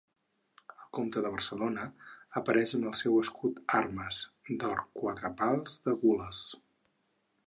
El comte de Barcelona apareix amb el seu escut armes, d'or quatre pals de gules.